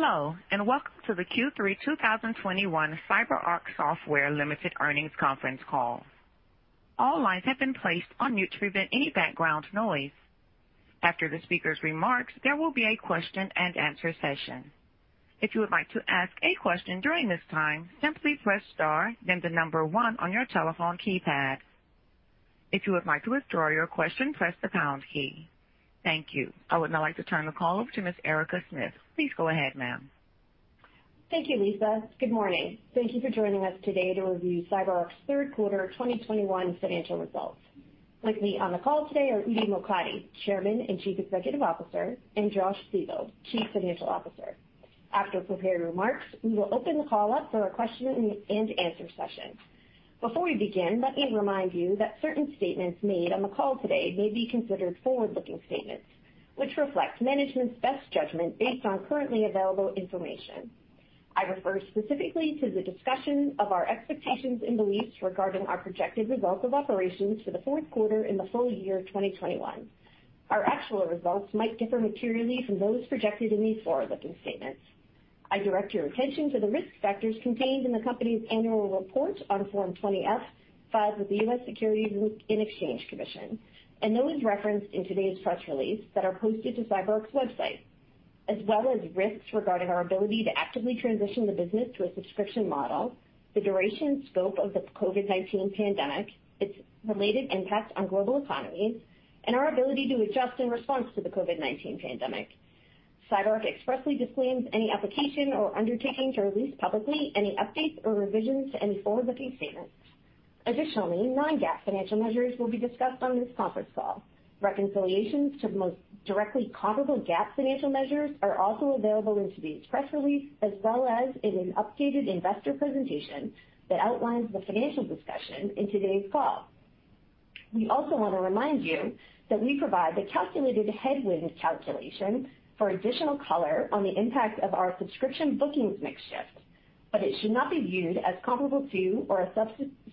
Hello, and welcome to the Q3, 2021 CyberArk Software Limited Earnings Conference Call. All lines have been placed on mute to prevent any background noise. After the speaker's remarks, there will be a question and answer session. If you would like to ask a question during this time, simply press star then one on your telephone keypad. If you would like to withdraw your question, press the pound key. Thank you. I would now like to turn the call over to Miss Erica Smith. Please go ahead, ma'am. Thank you, Lisa. Good morning. Thank you for joining us today to review CyberArk's third quarter 2021 financial results. With me on the call today are Udi Mokady, Chairman and Chief Executive Officer, and Josh Siegel, Chief Financial Officer. After prepared remarks, we will open the call up for a question and answer session. Before we begin, let me remind you that certain statements made on the call today may be considered forward-looking statements, which reflect management's best judgment based on currently available information. I refer specifically to the discussion of our expectations and beliefs regarding our projected results of operations for the fourth quarter in the full year of 2021. Our actual results might differ materially from those projected in these forward-looking statements. I direct your attention to the risk factors contained in the company's annual report on Form 20-F filed with the U.S. Securities and Exchange Commission, and those referenced in today's press release that are posted to CyberArk's website, as well as risks regarding our ability to actively transition the business to a subscription model, the duration and scope of the COVID-19 pandemic, its related impact on global economies, and our ability to adjust in response to the COVID-19 pandemic. CyberArk expressly disclaims any obligation or undertaking to release publicly any updates or revisions to any forward-looking statements. Additionally, non-GAAP financial measures will be discussed on this conference call. Reconciliations to the most directly comparable GAAP financial measures are also available in today's press release, as well as in an updated investor presentation that outlines the financial discussion in today's call. We also wanna remind you that we provide the calculated headwind calculation for additional color on the impact of our subscription bookings mix shift but it should not be used as comparable to or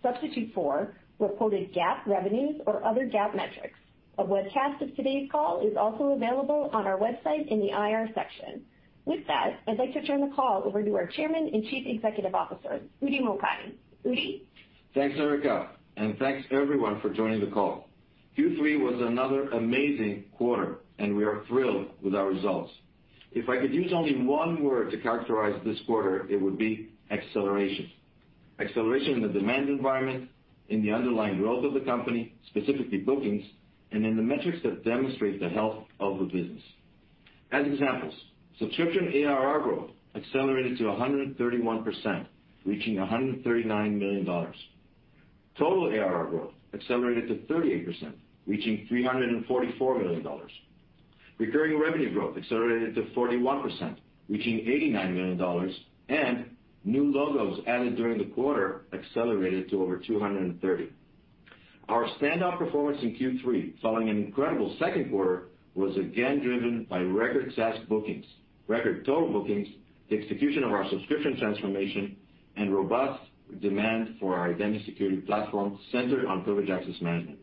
a substitute for reported GAAP revenues or other GAAP metrics. A webcast of today's call is also available on our website in the IR section. With that, I'd like to turn the call over to our Chairman and Chief Executive Officer, Udi Mokady. Udi? Thanks, Erica, and thanks everyone for joining the call. Q3 was another amazing quarter, and we are thrilled with our results. If I could use only one word to characterize this quarter, it would be acceleration. Acceleration in the demand environment, in the underlying growth of the company, specifically bookings, and in the metrics that demonstrate the health of the business. As examples, subscription ARR growth accelerated to 131%, reaching $139 million. Total ARR growth accelerated to 38%, reaching $344 million. Recurring revenue growth accelerated to 41%, reaching $89 million. New logos added during the quarter accelerated to over $230 million. Our standout performance in Q3, following an incredible second quarter, was again driven by record SaaS bookings, record total bookings, the execution of our subscription transformation, and robust demand for our identity security platform centered on privileged access management.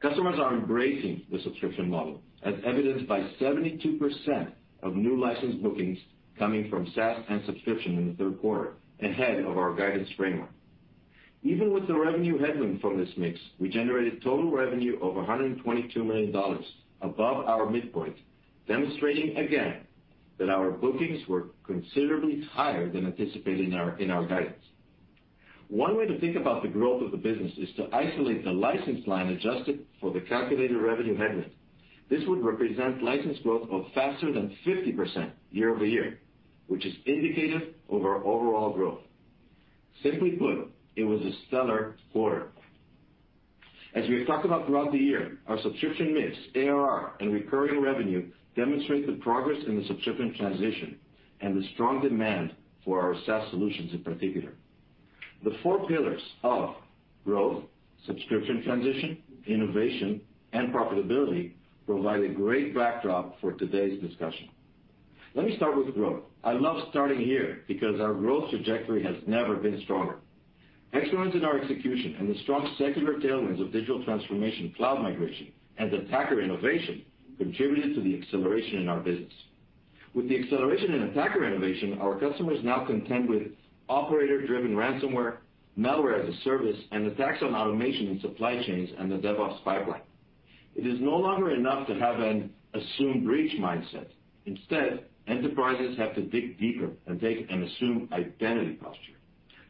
Customers are embracing the subscription model as evidenced by 72% of new license bookings coming from SaaS and subscription in the third quarter, ahead of our guidance framework. Even with the revenue headwind from this mix, we generated total revenue of $122 million above our midpoint, demonstrating again that our bookings were considerably higher than anticipated in our guidance. One way to think about the growth of the business is to isolate the license line adjusted for the calculated revenue headwind. This would represent license growth of faster than 50% year-over-year, which is indicative of our overall growth. Simply put, it was a stellar quarter. As we have talked about throughout the year, our subscription mix, ARR, and recurring revenue demonstrate the progress in the subscription transition and the strong demand for our SaaS solutions in particular. The four pillars of growth, subscription transition, innovation, and profitability provide a great backdrop for today's discussion. Let me start with growth. I love starting here because our growth trajectory has never been stronger. Excellence in our execution and the strong secular tailwinds of digital transformation, cloud migration, and attacker innovation contributed to the acceleration in our business. With the acceleration in attacker innovation, our customers now contend with operator-driven ransomware, malware-as-a-service, and attacks on automation and supply chains and the DevOps pipeline. It is no longer enough to have an assumed breach mindset. Instead, enterprises have to dig deeper and take an assumed identity posture.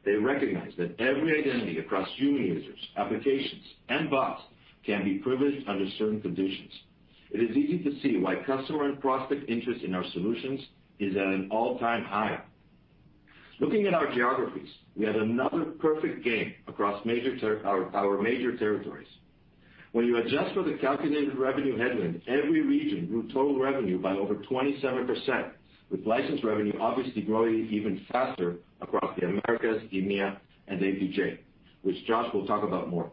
They recognize that every identity across human users, applications, and bots can be privileged under certain conditions. It is easy to see why customer and prospect interest in our solutions is at an all-time high. Looking at our geographies, we had another perfect game across our major territories. When you adjust for the calculated revenue headwind, every region grew total revenue by over 27%, with license revenue obviously growing even faster across the Americas, EMEA, and APJ, which Josh will talk about more.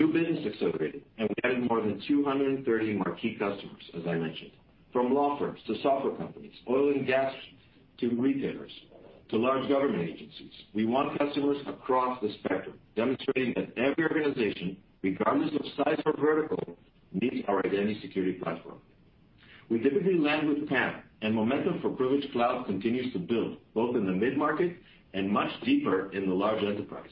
New business accelerated, and we added more than 230 marquee customers, as I mentioned, from law firms to software companies, oil and gas to retailers, to large government agencies. We won customers across the spectrum, demonstrating that every organization, regardless of size or vertical, needs our identity security platform. We typically land with PAM, and momentum for Privilege Cloud continues to build both in the mid-market and much deeper in the large enterprise.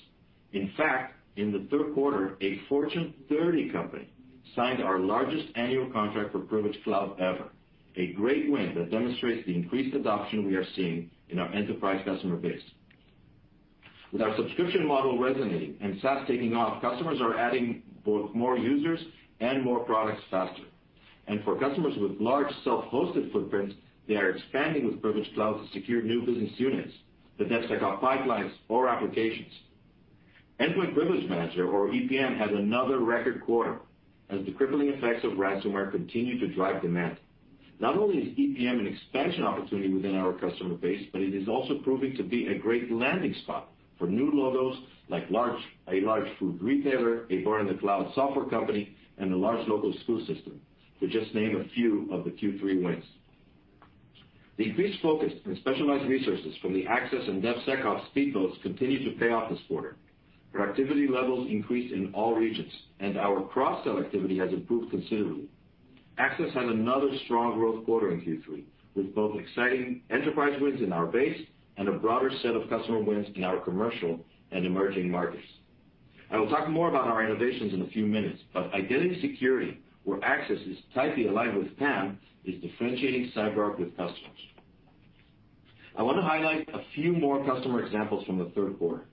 In fact, in the third quarter, a Fortune 30 company signed our largest annual contract for Privilege Cloud ever. A great win that demonstrates the increased adoption we are seeing in our enterprise customer base. With our subscription model resonating and SaaS taking off, customers are adding both more users and more products faster. For customers with large self-hosted footprints, they are expanding with Privilege Cloud to secure new business units, the DevSecOps pipelines or applications. Endpoint Privilege Manager, or EPM, had another record quarter as the crippling effects of ransomware continue to drive demand. Not only is EPM an expansion opportunity within our customer base but it is also proving to be a great landing spot for new logos like a large food retailer, a born-in-the-cloud software company, and a large local school system, to just name a few of the Q3 wins. The increased focus on specialized resources from the access and DevSecOps speed boats continued to pay off this quarter. Productivity levels increased in all regions, and our cross-sell activity has improved considerably. Access had another strong growth quarter in Q3, with both exciting enterprise wins in our base and a broader set of customer wins in our commercial and emerging markets. I will talk more about our innovations in a few minutes but identity security, where access is tightly aligned with PAM, is differentiating CyberArk with customers. I want to highlight a few more customer examples from the third quarter.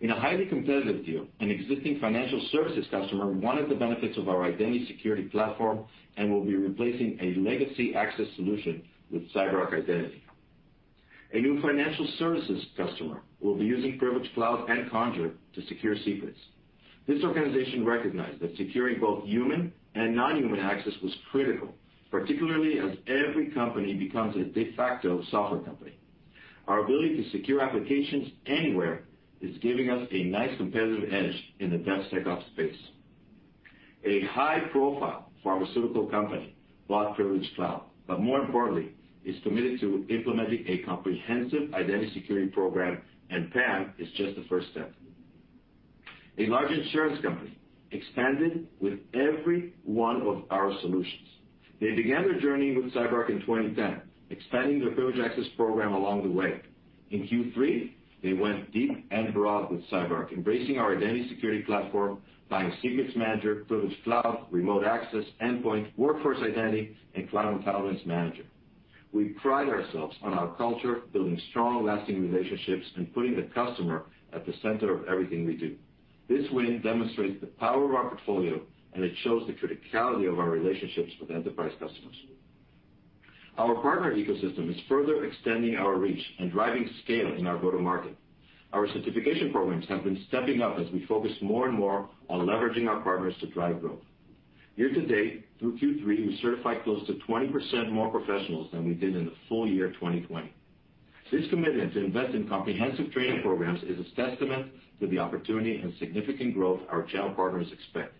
In a highly competitive deal, an existing financial services customer wanted the benefits of our identity security platform and will be replacing a legacy access solution with CyberArk Identity. A new financial services customer will be using Privilege Cloud and Conjur to secure secrets. This organization recognized that securing both human and non-human access was critical, particularly as every company becomes a de facto software company. Our ability to secure applications anywhere is giving us a nice competitive edge in the DevSecOps space. A high-profile pharmaceutical company bought Privilege Cloud, but more importantly, is committed to implementing a comprehensive identity security program and PAM is just the first step. A large insurance company expanded with every one of our solutions. They began their journey with CyberArk in 2010, expanding their privileged access program along the way. In Q3, they went deep and broad with CyberArk, embracing our identity security platform, buying Secrets Manager, Privilege Cloud, Remote Access, Endpoint Privilege Manager, Workforce Identity, and Cloud Entitlements Manager. We pride ourselves on our culture, building strong lasting relationships, and putting the customer at the center of everything we do. This win demonstrates the power of our portfolio and it shows the criticality of our relationships with enterprise customers. Our partner ecosystem is further extending our reach and driving scale in our go-to-market. Our certification programs have been stepping up as we focus more and more on leveraging our partners to drive growth. Year-to-date, through Q3, we certified close to 20% more professionals than we did in the full year 2020. This commitment to invest in comprehensive training programs is a testament to the opportunity and significant growth our channel partners expect.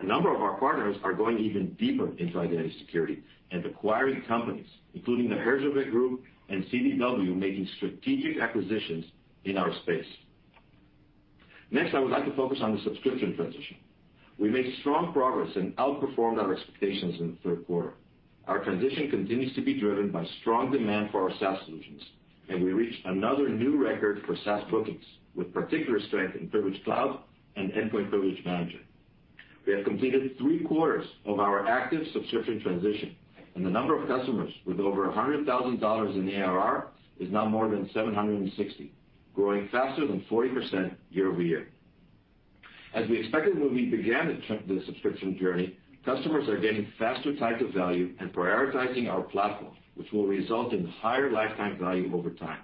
A number of our partners are going even deeper into identity security and acquiring companies, including The Herjavec Group and CDW making strategic acquisitions in our space. Next, I would like to focus on the subscription transition. We made strong progress and outperformed our expectations in the third quarter. Our transition continues to be driven by strong demand for our SaaS solutions and we reached another new record for SaaS bookings with particular strength in Privilege Cloud and Endpoint Privilege Manager. We have completed three quarters of our active subscription transition and the number of customers with over $100,000 in ARR is now more than 760, growing faster than 40% year over year. As we expected when we began the subscription journey, customers are getting faster type of value and prioritizing our platform which will result in higher lifetime value over time.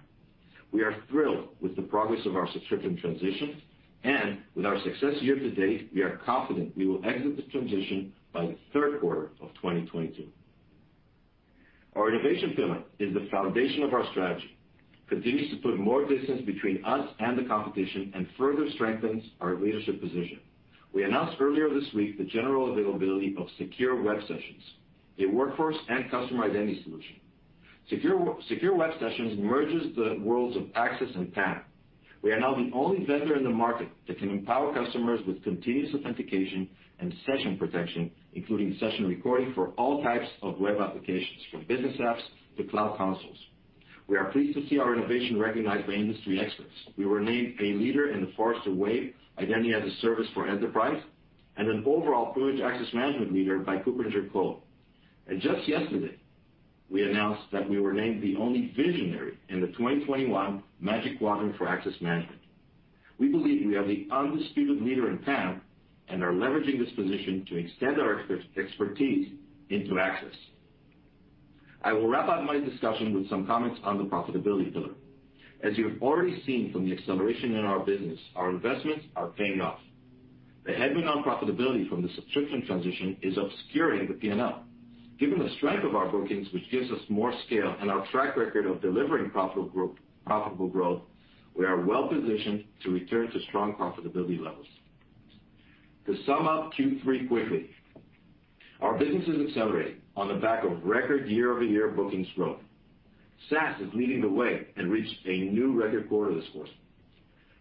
We are thrilled with the progress of our subscription transition and with our success year-to-date, we are confident we will exit the transition by the third quarter of 2022. Our innovation pillar is the foundation of our strategy, continues to put more distance between us and the competition and further strengthens our leadership position. We announced earlier this week the general availability of Secure Web Sessions, a workforce and customer identity solution. Secure Web Sessions merges the worlds of access and PAM. We are now the only vendor in the market that can empower customers with continuous authentication and session protection, including session recording for all types of web applications from business apps to cloud consoles. We are pleased to see our innovation recognized by industry experts. We were named a leader in the Forrester Wave Identity as a Service for Enterprise, and an overall Privileged Access Management leader by KuppingerCole. Just yesterday, we announced that we were named the only visionary in the 2021 Magic Quadrant for Access Management. We believe we are the undisputed leader in PAM and are leveraging this position to extend our expertise into access. I will wrap up my discussion with some comments on the profitability pillar. As you have already seen from the acceleration in our business, our investments are paying off. The headwind on profitability from the subscription transition is obscuring the P&L. Given the strength of our bookings, which gives us more scale and our track record of delivering profitable growth, we are well positioned to return to strong profitability levels. To sum up Q3 quickly. Our business is accelerating on the back of record year-over-year bookings growth. SaaS is leading the way and reached a new record quarter this quarter.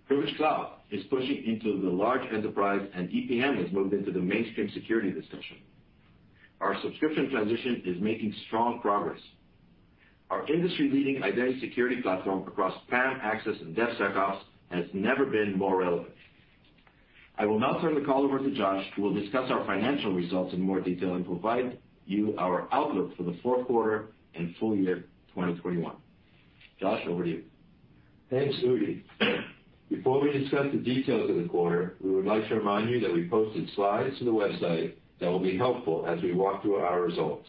Privilege Cloud is pushing into the large enterprise, and EPM has moved into the mainstream security discussion. Our subscription transition is making strong progress. Our industry-leading identity security platform across PAM, Access, and DevSecOps has never been more relevant. I will now turn the call over to Josh, who will discuss our financial results in more detail and provide you our outlook for the fourth quarter and full year 2021. Josh, over to you. Thanks, Udi. Before we discuss the details of the quarter, we would like to remind you that we posted slides to the website that will be helpful as we walk through our results.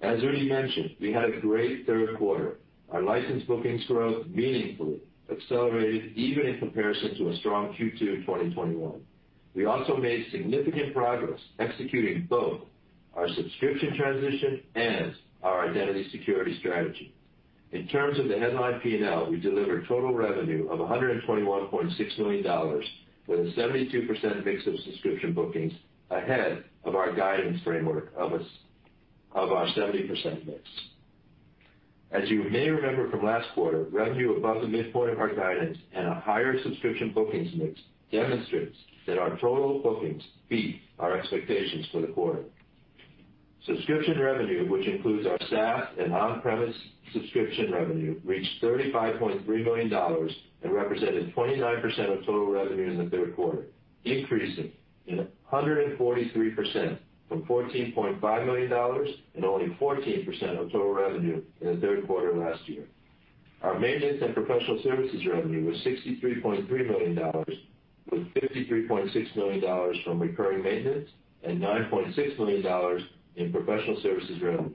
As Udi mentioned, we had a great third quarter. Our license bookings growth meaningfully accelerated even in comparison to a strong Q2, 2021. We also made significant progress executing both our subscription transition and our identity security strategy. In terms of the headline P&L, we delivered total revenue of $121.6 million with a 72% mix of subscription bookings ahead of our guidance framework of our 70% mix. As you may remember from last quarter, revenue above the midpoint of our guidance and a higher subscription bookings mix demonstrates that our total bookings beat our expectations for the quarter. Subscription revenue, which includes our SaaS and on-premise subscription revenue, reached $35.3 million and represented 29% of total revenue in the third quarter, increasing, you know, 143% from $14.5 million and only 14% of total revenue in the third quarter last year. Our maintenance and professional services revenue was $63.3 million, with $53.6 million from recurring maintenance and $9.6 million in professional services revenue.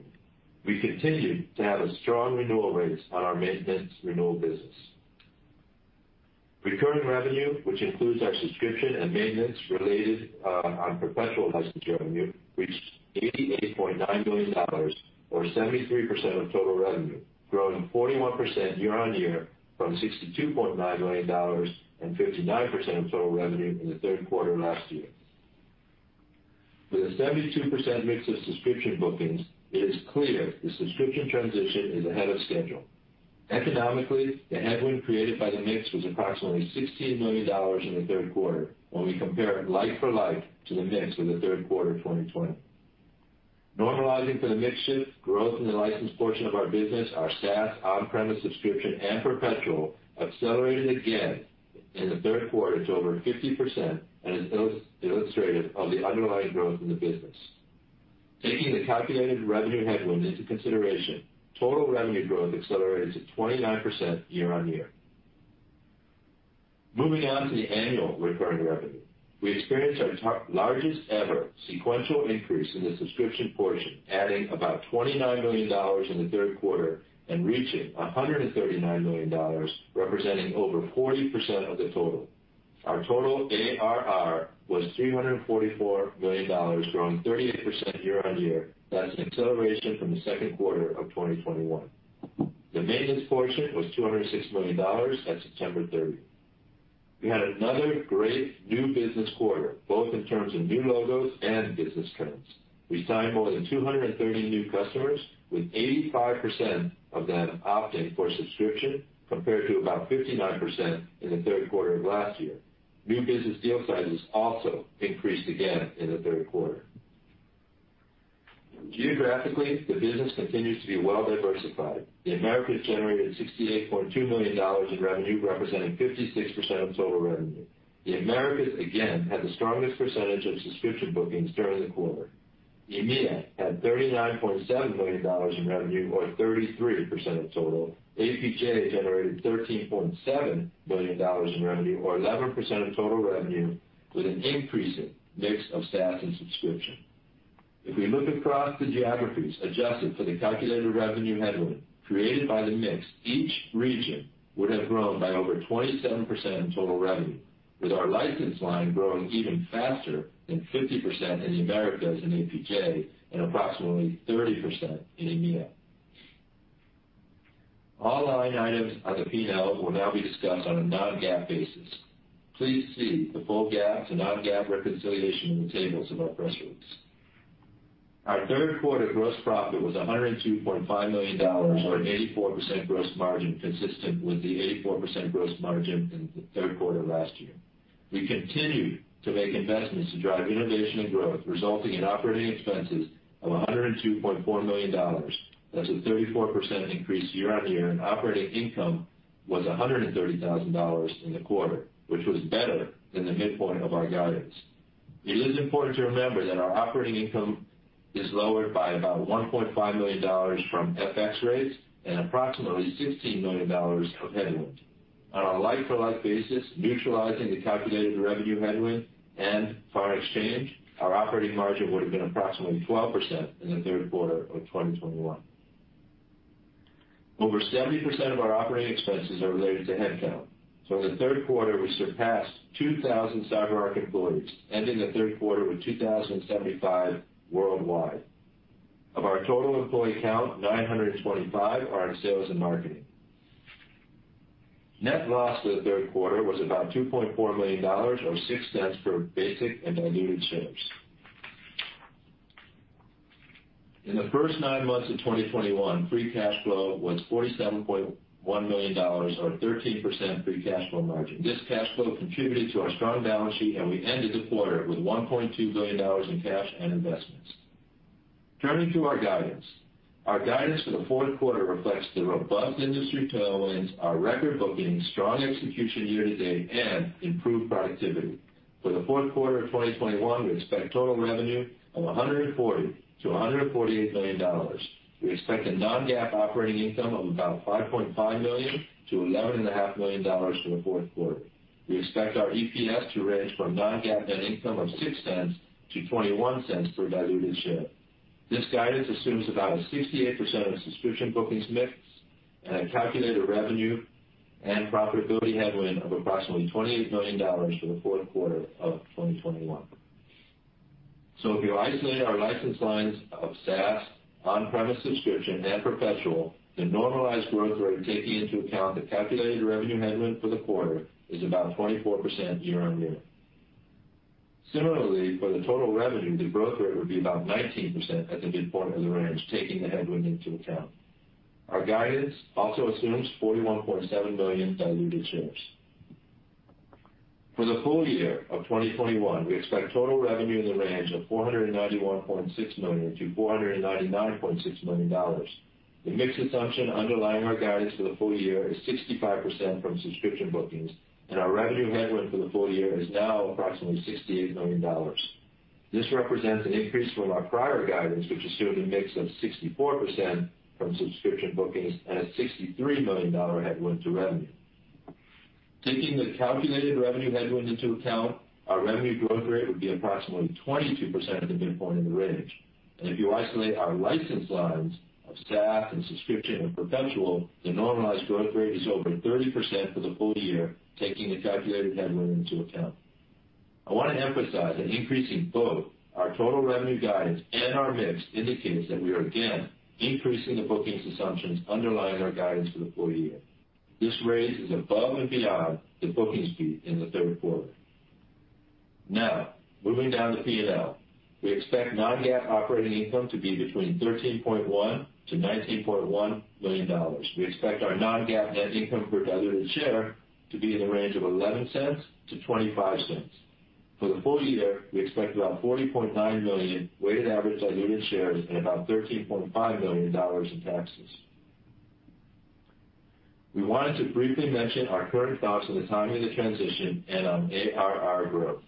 We continue to have a strong renewal rates on our maintenance renewal business. Recurring revenue, which includes our subscription and maintenance related on perpetual license revenue, reached $88.9 million, or 73% of total revenue, growing 41% year-on-year from $62.9 million and 59% of total revenue in the third quarter last year. With a 72% mix of subscription bookings, it is clear the subscription transition is ahead of schedule. Economically, the headwind created by the mix was approximately $16 million in the third quarter when we compare like-for-like to the mix of the third quarter 2020. Normalizing for the mix shift, growth in the license portion of our business, our SaaS on-premise subscription and perpetual accelerated again in the third quarter to over 50% and is illustrative of the underlying growth in the business. Taking the calculated revenue headwind into consideration, total revenue growth accelerated to 29% year-on-year. Moving on to the annual recurring revenue. We experienced our largest ever sequential increase in the subscription portion, adding about $29 million in the third quarter and reaching $139 million, representing over 40% of the total. Our total ARR was $344 million, growing 38% year-over-year. That's an acceleration from the second quarter of 2021. The maintenance portion was $206 million at September 3rd. We had another great new business quarter both in terms of new logos and business trends. We signed more than 230 new customers with 85% of them opting for a subscription compared to about 59% in the third quarter of last year. New business deal sizes also increased again in the third quarter. Geographically, the business continues to be well-diversified. The Americas generated $68.2 million in revenue, representing 56% of total revenue. The Americas, again, had the strongest percentage of subscription bookings during the quarter. EMEA had $39.7 million in revenue, or 33% of total. APJ generated $13.7 million in revenue, or 11% of total revenue, with an increasing mix of SaaS and subscription. If we look across the geographies adjusted for the calculated revenue headwind created by the mix, each region would have grown by over 27% in total revenue with our license line growing even faster than 50% in the Americas and APJ and approximately 30% in EMEA. All line items on the P&L will now be discussed on a non-GAAP basis. Please see the full GAAP to non-GAAP reconciliation in the tables of our press release. Our third quarter gross profit was $102.5 million or an 84% gross margin, consistent with the 84% gross margin in Q3 last year. We continue to make investments to drive innovation and growth resulting in operating expenses of $102.4 million. That's a 34% increase year-on-year, and operating income was $130,000 in the quarter which was better than the midpoint of our guidance. It is important to remember that our operating income is lowered by about $1.5 million from FX rates and approximately $16 million of headwind. On a like-for-like basis, neutralizing the calculated revenue headwind and foreign exchange, our operating margin would have been approximately 12% in the third quarter of 2021. Over 70% of our operating expenses are related to headcount. In the third quarter, we surpassed 2,000 CyberArk employees, ending the third quarter with 2,075 worldwide. Of our total employee count, 925 are in sales and marketing. Net loss for the third quarter was about $2.4 million or $0.06 per basic and diluted shares. In the first nine months of 2021, free cash flow was $47.1 million or 13% free cash flow margin. This cash flow contributed to our strong balance sheet, and we ended the quarter with $1.2 billion in cash and investments. Turning to our guidance. Our guidance for the fourth quarter reflects the robust industry tailwinds, our record bookings, strong execution year-to-date, and improved productivity. For the fourth quarter of 2021, we expect total revenue of $140 million-$148 million. We expect a non-GAAP operating income of about $5.5 million-$11.5 million for the fourth quarter. We expect our EPS to range from non-GAAP net income of $0.06-$0.21 per diluted share. This guidance assumes about a 68% subscription bookings mix and a calculated revenue and profitability headwind of approximately $28 million for the fourth quarter of 2021. If you isolate our license lines of SaaS, on-premise subscription, and perpetual, the normalized growth rate, taking into account the calculated revenue headwind for the quarter, is about 24% year-on-year. Similarly, for the total revenue the growth rate would be about 19% at the midpoint of the range taking the headwind into account. Our guidance also assumes 41.7 million diluted shares. For the full year of 2021, we expect total revenue in the range of $491.6 million-$499.6 million. The mix assumption underlying our guidance for the full year is 65% from subscription bookings and our revenue headwind for the full year is now approximately $68 million. This represents an increase from our prior guidance which assumed a mix of 64% from subscription bookings and a $63 million headwind to revenue. Taking the calculated revenue headwind into account, our revenue growth rate would be approximately 22% at the midpoint of the range. If you isolate our license lines of SaaS and subscription and perpetual, the normalized growth rate is over 30% for the full year taking the calculated headwind into account. I wanna emphasize that increasing both our total revenue guidance and our mix indicates that we are again increasing the bookings assumptions underlying our guidance for the full year. This rate is above and beyond the bookings fee in the third quarter. Now, moving down the P&L. We expect non-GAAP operating income to be between $13.1 million to $19.1 million. We expect our non-GAAP net income per diluted share to be in the range of $0.11-$0.25. For the full year, we expect about 40.9 million weighted average diluted shares and about $13.5 million in taxes. We wanted to briefly mention our current thoughts on the timing of the transition and on ARR growth.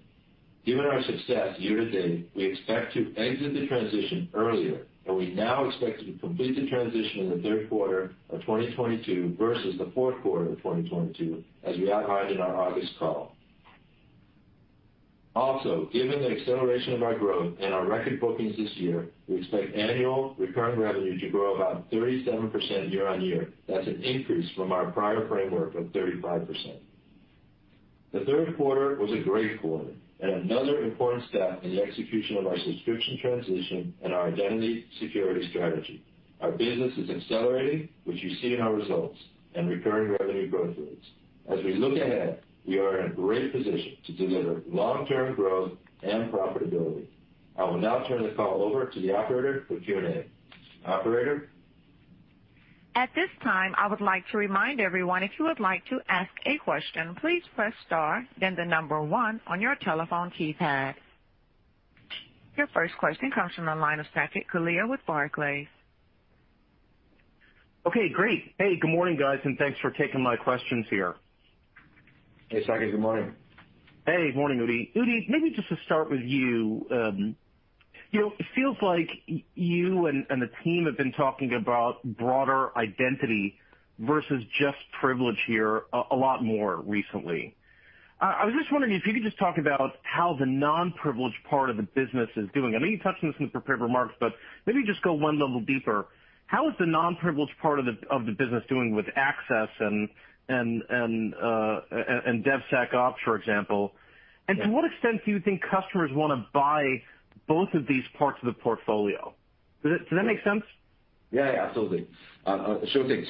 Given our success year-to-date, we expect to exit the transition earlier, and we now expect to complete the transition in the third quarter of 2022 versus the fourth quarter of 2022, as we outlined in our August call. Also, given the acceleration of our growth and our record bookings this year, we expect annual recurring revenue to grow about 37% year-on-year. That's an increase from our prior framework of 35%. The third quarter was a great quarter and another important step in the execution of our subscription transition and our identity security strategy. Our business is accelerating, which you see in our results and recurring revenue growth rates. As we look ahead, we are in a great position to deliver long-term growth and profitability. I will now turn the call over to the operator for Q&A. Operator? At this time, I would like to remind everyone if you would like to ask a question, please press star then the number one on your telephone keypad. Your first question comes from the line of Saket Kalia with Barclays. Okay, great. Hey, good morning, guys, and thanks for taking my questions here. Hey, Saket. Good morning. Hey. Morning, Udi. Udi, maybe just to start with you. You know, it feels like you and the team have been talking about broader identity versus just privilege here a lot more recently. I was just wondering if you could just talk about how the non-privileged part of the business is doing. I know you touched on this in the prepared remarks but maybe just go one level deeper. How is the non-privileged part of the business doing with access and DevSecOps, for example? And to what extent do you think customers wanna buy both of these parts of the portfolio? Does that make sense? Yeah, yeah. Absolutely. Sure thing.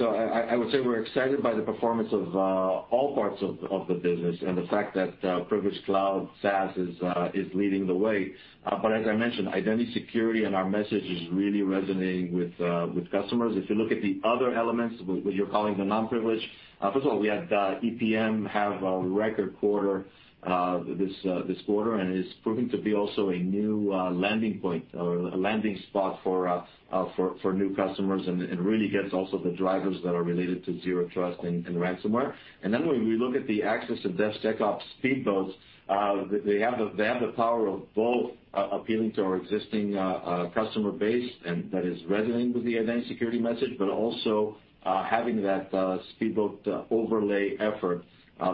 I would say we're excited by the performance of all parts of the business and the fact that Privilege Cloud SaaS is leading the way. As I mentioned, identity security and our message is really resonating with customers. If you look at the other elements, what you're calling the non-privileged, first of all, we had EPM have a record quarter, this quarter and is proving to be also a new landing point or a landing spot for new customers and really gets also the drivers that are related to Zero Trust and ransomware. When we look at the access and DevSecOps speed boats, they have the power of both appealing to our existing customer base and that is resonating with the identity security message but also having that speed boat overlay effort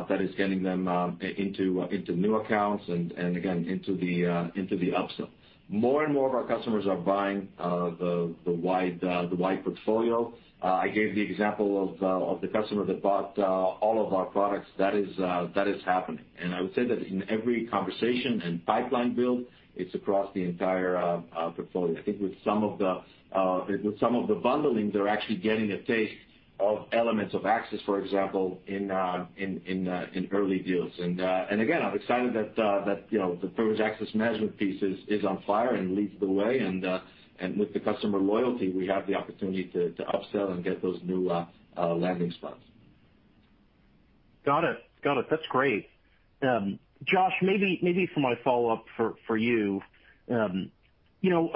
that is getting them into new accounts and again into the upsell. More and more of our customers are buying the wide portfolio. I gave the example of the customer that bought all of our products. That is happening. I would say that in every conversation and pipeline build, it's across the entire portfolio. I think with some of the bundling, they're actually getting a taste of elements of access, for example, in early deals. I'm excited that you know, the Privileged Access Management piece is on fire and leads the way. With the customer loyalty, we have the opportunity to upsell and get those new landing spots. Got it. That's great. Josh, maybe for my follow-up for you. You know,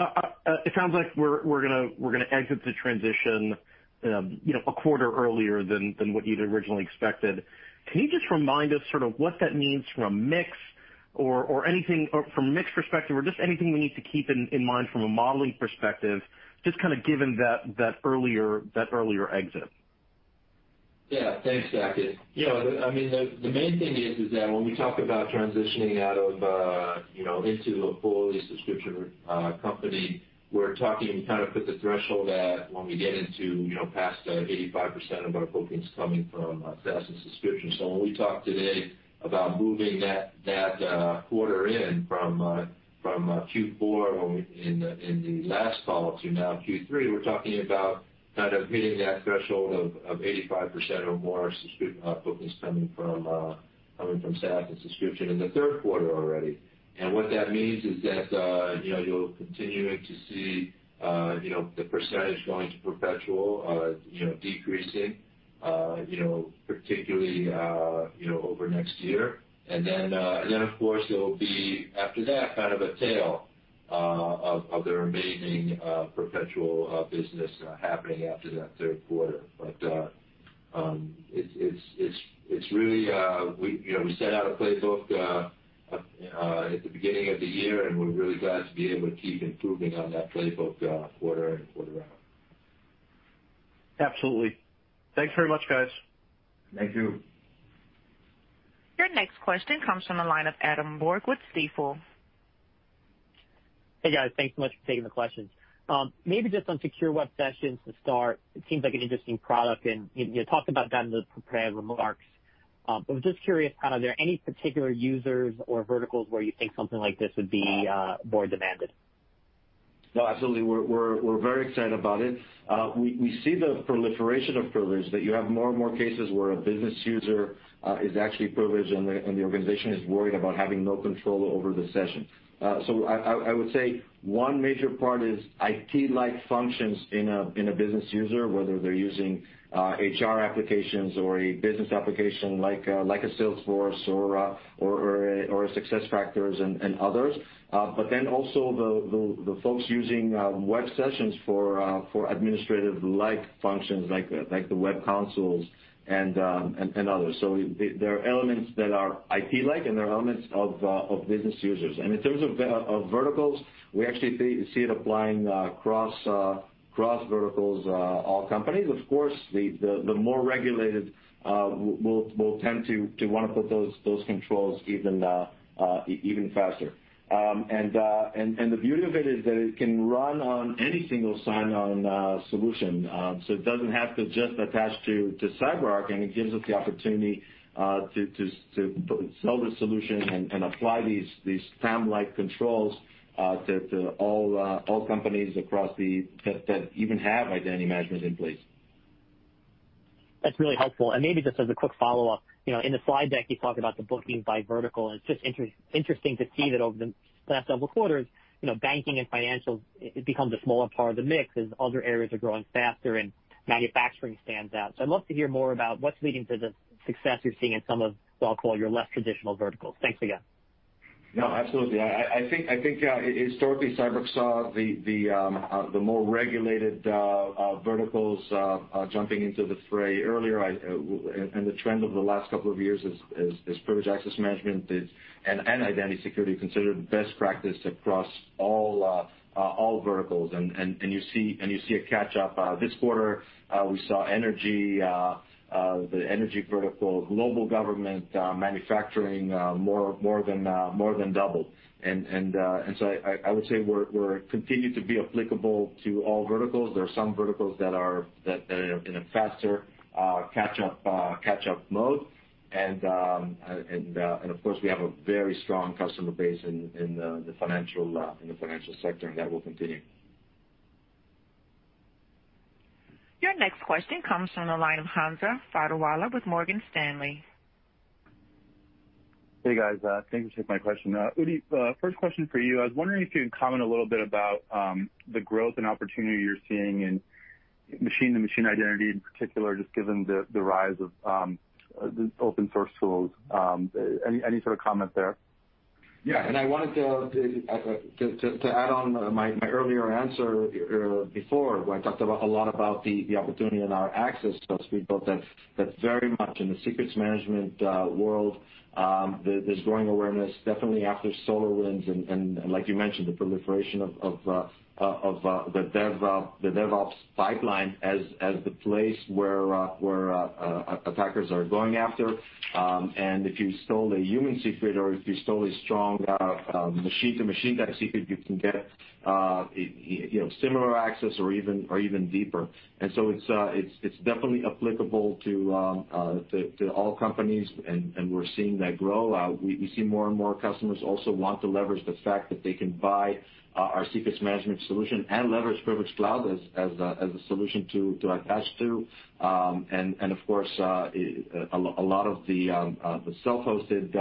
it sounds like we're gonna exit the transition, you know, a quarter earlier than what you'd originally expected. Can you just remind us sort of what that means from a mix or anything or from a mix perspective or just anything we need to keep in mind from a modelling perspective, just kinda given that earlier exit? Yeah. Thanks, Saket. You know, I mean, the main thing is that when we talk about transitioning out of you know into a fully subscription company, we're talking kind of put the threshold at when we get into you know past the 85% of our bookings coming from SaaS and subscription. So when we talk today about moving that quarter in from Q4 in the last call to now Q3, we're talking about kind of hitting that threshold of 85% or more subscription bookings coming from SaaS and subscription in the third quarter already. What that means is that you know you're continuing to see you know the percentage going to perpetual you know decreasing you know particularly you know over next year. Of course, there will be, after that, kind of a tail of the remaining perpetual business happening after that third quarter. It's really, you know, we set out a playbook at the beginning of the year and we're really glad to be able to keep improving on that playbook quarter in, quarter out. Absolutely. Thanks very much, guys. Thank you. Your next question comes from the line of Adam Borg with Stifel. Hey, guys. Thanks so much for taking the questions. Maybe just on Secure Web Sessions to start. It seems like an interesting product, and you talked about that in the prepared remarks. I was just curious, are there any particular users or verticals where you think something like this would be more demanded? No, absolutely. We're very excited about it. We see the proliferation of privilege that you have more and more cases where a business user is actually privileged and the organization is worried about having no control over the session. I would say one major part is IT-like functions in a business user, whether they're using HR applications or a business application like Salesforce or SuccessFactors and others but then also the folks using web sessions for administrative-like functions like the web consoles and others. So there are elements that are IT-like, and there are elements of business users. In terms of verticals, we actually see it applying across verticals, all companies. Of course, the more regulated will tend to wanna put those controls even faster. The beauty of it is that it can run on any single sign-on solution. It doesn't have to just attach to CyberArk, and it gives us the opportunity to sell the solution and apply these PAM-like controls to all companies across the board that even have identity management in place. That's really helpful. Maybe just as a quick follow-up, you know, in the slide deck, you talk about the bookings by vertical and it's just interesting to see that over the last several quarters, you know, banking and financials, it becomes a smaller part of the mix as other areas are growing faster and manufacturing stands out. I'd love to hear more about what's leading to the success you're seeing in some of what I'll call your less traditional verticals. Thanks again. No, absolutely. I think historically, CyberArk saw the more regulated verticals jumping into the fray earlier. The trend over the last couple of years is that privileged access management and identity security are considered best practice across all verticals. You see a catch-up. This quarter, we saw the energy vertical, global government, manufacturing more than double. I would say we continue to be applicable to all verticals. There are some verticals that are in a faster catch-up mode. Of course, we have a very strong customer base in the financial sector and that will continue. Your next question comes from the line of Hamza Fodderwala with Morgan Stanley. Hey, guys. Thanks for taking my question. Udi, first question for you. I was wondering if you could comment a little bit about the growth and opportunity you're seeing in machine-to-machine identity in particular, just given the rise of the open source tools. Any sort of comment there? Yeah. I wanted to add on to my earlier answer before, where I talked a lot about the opportunity in our access trust platform that very much in the secrets management world, there's growing awareness definitely after SolarWinds and like you mentioned, the proliferation of the DevOps pipeline as the place where attackers are going after. If you stole a human secret or if you stole a strong machine-to-machine type secret, you can get you know, similar access or even deeper. It's definitely applicable to all companies and we're seeing that grow. We see more and more customers also want to leverage the fact that they can buy our secrets management solution and leverage Privilege Cloud as a solution to attach to. Of course, a lot of the self-hosted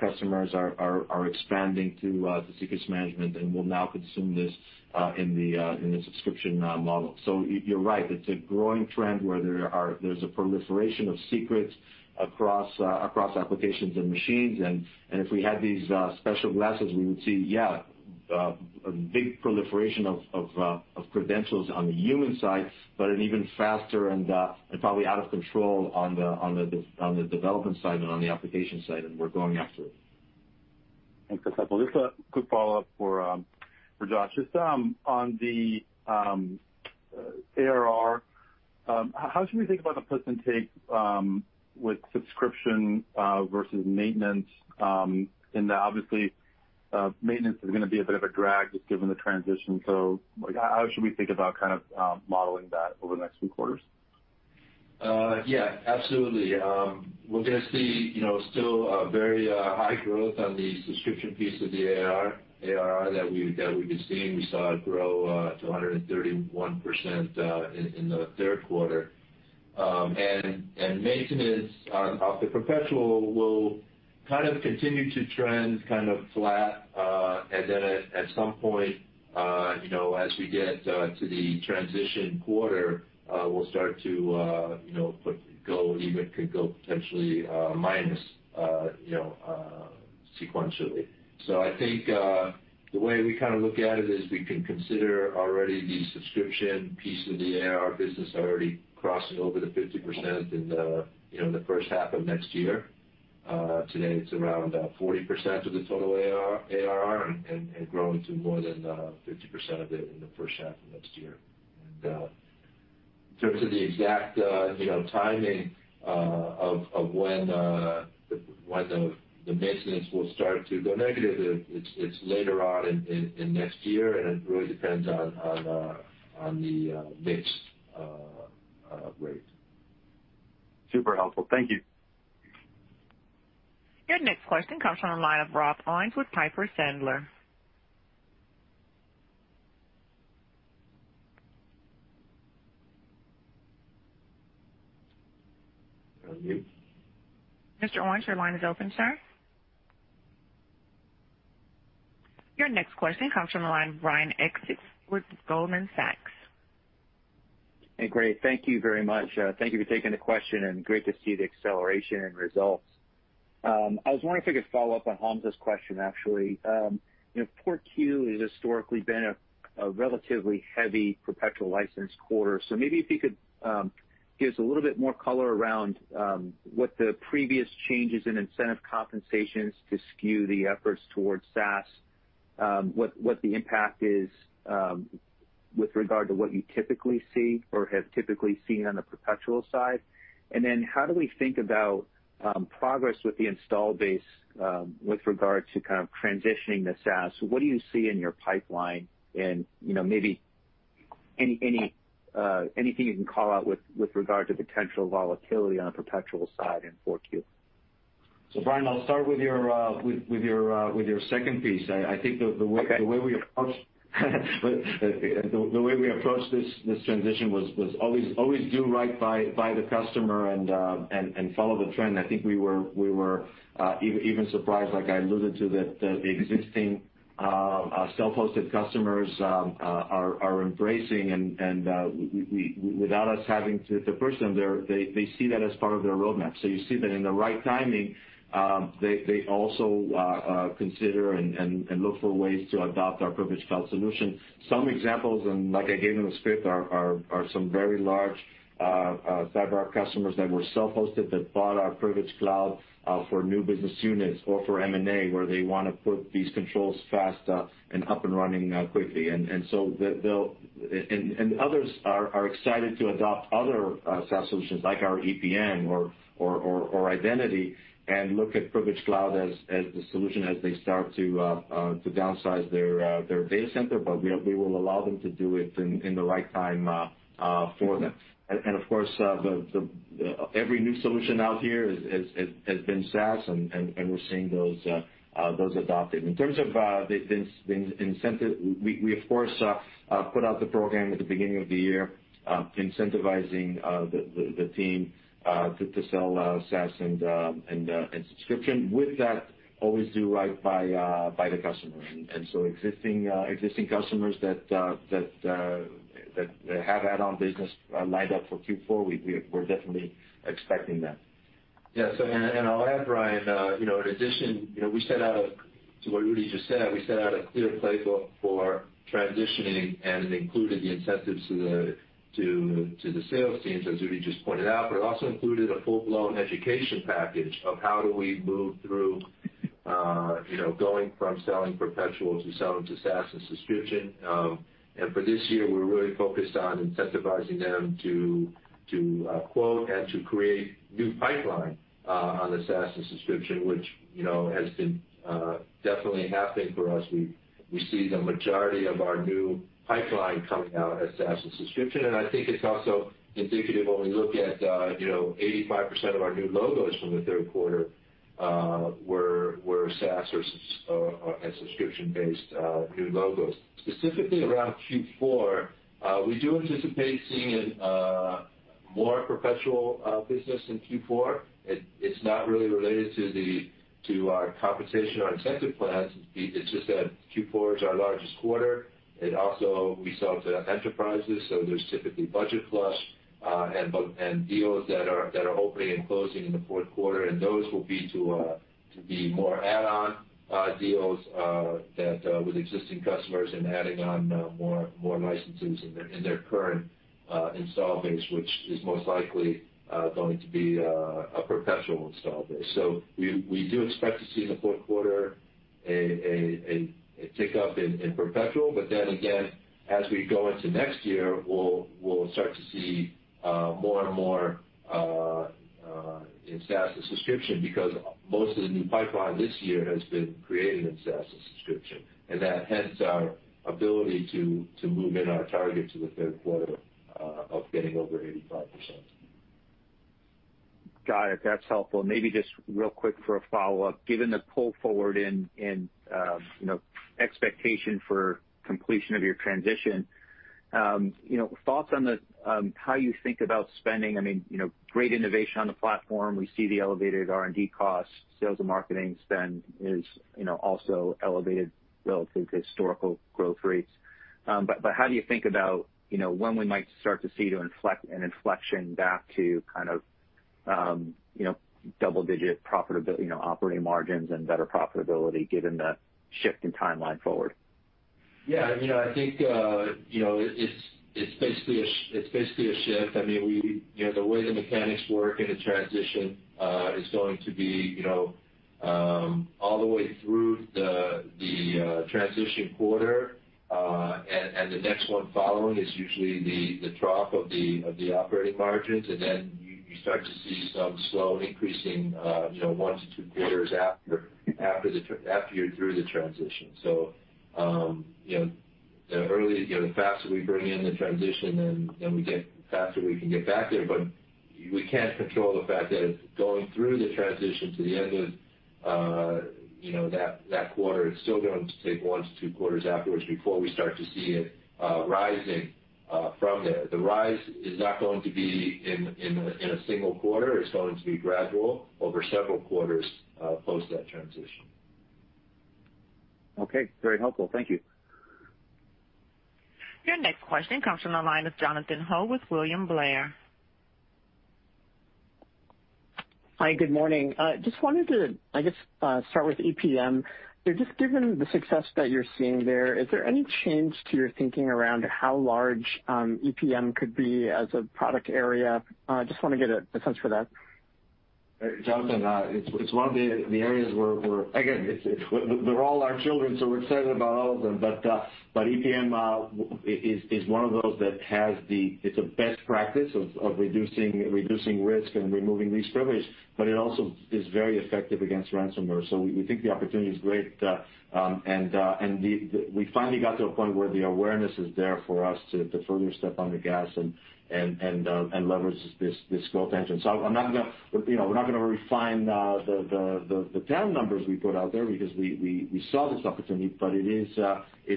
customers are expanding to secrets management and will now consume this in the subscription model. You're right. It's a growing trend where there's a proliferation of secrets across applications and machines. If we had these special glasses, we would see a big proliferation of credentials on the human side but an even faster and probably out of control on the development side and on the application side and we're going after it. Just a quick follow-up for Josh Siegel. On the ARR, how should we think about the plus and take with subscription versus maintenance? Obviously, maintenance is gonna be a bit of a drag just given the transition. Like how should we think about kind of modelling that over the next few quarters? Yeah, absolutely. We're gonna see, you know, still very high growth on the subscription piece of the ARR that we've been seeing. We saw it grow to 131% in the third quarter. And maintenance off the perpetual will kind of continue to trend kind of flat and then at some point, you know, as we get to the transition quarter, we'll start to could go potentially minus, you know, sequentially. I think the way we kind of look at it is we can consider already the subscription piece of the ARR business already crossing over the 50% in the, you know, the first half of next year. Today it's around 40% of the total ARR and growing to more than 50% of it in the first half of next year. In terms of the exact, you know, timing of when the maintenance will start to go negative, it's later on in next year and it really depends on the mix rate. Super helpful. Thank you. Your next question comes from the line of Rob Owens with Piper Sandler. Rob Owens? Mr. Owens, your line is open, sir. Your next question comes from the line of Brian Essex with Goldman Sachs. Hey, great. Thank you very much. Thank you for taking the question and great to see the acceleration and results. I was wondering if I could follow up on Hamza's question, actually. You know, fourth Q has historically been a relatively heavy perpetual license quarter. So maybe if you could give us a little bit more color around what the previous changes in incentive compensations to skew the efforts towards SaaS, what the impact is with regard to what you typically see or have typically seen on the perpetual side. Then how do we think about progress with the install base with regard to kind of transitioning to SaaS? What do you see in your pipeline and, you know, maybe any anything you can call out with regard to potential volatility on a perpetual side in fourth Q? Brian, I'll start with your second piece. I think the way- Okay. The way we approach this transition was always do right by the customer and follow the trend. I think we were even surprised like I alluded to, that the existing self-hosted customers are embracing and without us having to push them, they see that as part of their roadmap. You see that in the right timing, they also consider and look for ways to adopt our Privilege Cloud solution. Some examples, and like I gave in the script, are some very large CyberArk customers that were self-hosted that bought our Privilege Cloud for new business units or for M&A, where they wanna put these controls fast and up and running quickly. They'll, and others are excited to adopt other SaaS solutions like our EPM or Identity and look at Privilege Cloud as the solution as they start to downsize their data center, but we will allow them to do it in the right time for them. Of course every new solution out here has been SaaS, and we're seeing those adopted. In terms of the incentive, we of course put out the program at the beginning of the year, incentivizing the team to sell SaaS and subscription. With that, always do right by the customer. Existing customers that have add-on business lined up for Q4, we're definitely expecting that. Yeah. I'll add, Brian. You know, in addition to what Udi just said, we set out a clear playbook for transitioning and it included the incentives to the sales teams, as Udi just pointed out. It also included a full-blown education package of how do we move through, you know, going from selling perpetual to selling to SaaS and subscription. For this year, we're really focused on incentivizing them to quote and to create new pipeline on the SaaS and subscription, which, you know, has been definitely happening for us. We see the majority of our new pipeline coming out as SaaS and subscription. I think it's also indicative when we look at 85% of our new logos from the third quarter were SaaS or a subscription-based new logos. Specifically around Q4, we do anticipate seeing a more perpetual business in Q4. It's not really related to our compensation or incentive plans. It's just that Q4 is our largest quarter, and also we sell to enterprises, so there's typically budget flush and deals that are opening and closing in the fourth quarter and those will be to be more add-on deals that with existing customers and adding on more licenses in their current install base which is most likely going to be a perpetual install base. We do expect to see in the fourth quarter a tick up in perpetual but then again, as we go into next year, we'll start to see more and more in SaaS and subscription because most of the new pipeline this year has been created in SaaS and subscription. That hence our ability to move up our target to the third quarter of getting over 85%. Got it. That's helpful. Maybe just real quick for a follow-up. Given the pull forward in, you know, expectation for completion of your transition, you know, thoughts on the, how you think about spending. I mean, you know, great innovation on the platform. We see the elevated R&D costs. Sales and marketing spend is, you know, also elevated relative to historical growth rates but how do you think about, you know, when we might start to see an inflection back to kind of, you know, double-digit profitability, you know, operating margins and better profitability given the shift in timeline forward? Yeah. You know, I think it's basically a shift. I mean, you know, the way the mechanics work in a transition is going to be, you know, all the way through the transition quarter, and the next one following is usually the trough of the operating margins. Then you start to see some slow increasing, you know, one to two quarters after you're through the transition. You know, the earlier, you know, the faster we bring in the transition, the faster we can get back there. We can't control the fact that going through the transition to the end of, you know, that quarter, it's still going to take one to two quarters afterwards before we start to see it rising from there. The rise is not going to be in a single quarter. It's going to be gradual over several quarters post that transition. Okay. Very helpful. Thank you. Your next question comes from the line of Jonathan Ho with William Blair. Hi, good morning. Just wanted to, I guess, start with EPM. Just given the success that you're seeing there, is there any change to your thinking around how large, EPM could be as a product area? Just wanna get a sense for that. Jonathan, it's one of the areas where we're again. They're all our children, so we're excited about all of them. EPM is one of those. It's a best practice of reducing risk and removing least privilege but it also is very effective against ransomware. We think the opportunity is great. We finally got to a point where the awareness is there for us to further step on the gas and leverage this growth engine. I'm not gonna, you know, we're not gonna refine the TAM numbers we put out there because we saw this opportunity but it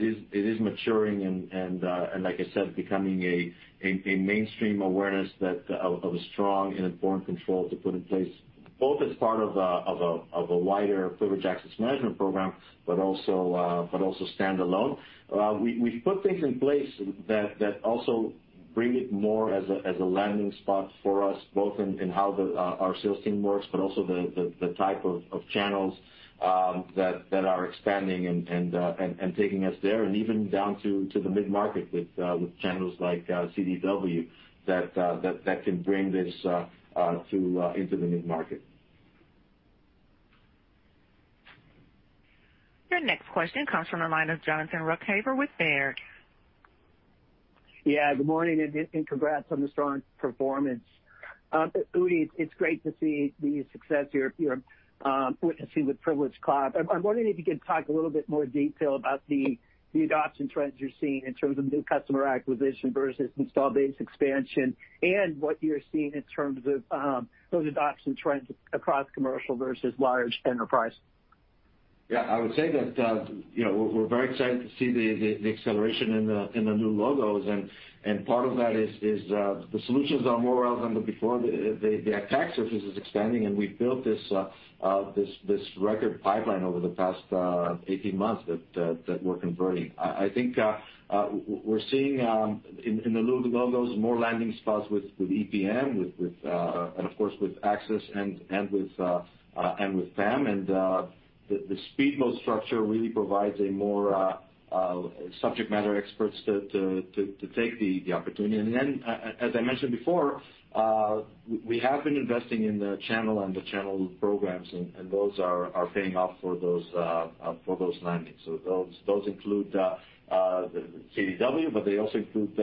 is maturing and like I said, becoming a mainstream awareness of a strong and important control to put in place both as part of a wider privileged access management program but also standalone. We've put things in place that also bring it more as a landing spot for us, both in how our sales team works but also the type of channels that are expanding and taking us there and even down to the mid-market with channels like CDW that can bring this into the mid-market. Your next question comes from the line of Jonathan Ruykhaver with Baird. Yeah. Good morning, and congrats on the strong performance. Udi, it's great to see the success you're witnessing with Privilege Cloud. I'm wondering if you could talk a little bit more detail about the adoption trends you're seeing in terms of new customer acquisition versus install base expansion and what you're seeing in terms of those adoption trends across commercial versus large enterprise? Yeah. I would say that, you know, we're very excited to see the acceleration in the new logos. Part of that is the solutions are more relevant than before. The attack surface is expanding, and we've built this record pipeline over the past 18 months that we're converting. I think we're seeing in the new logos more landing spots with EPM, and of course with Access and with PAM. The speedboat structure really provides more subject matter experts to take the opportunity. As I mentioned before, we have been investing in the channel and the channel programs and those are paying off for those landings. Those include CDW but they also include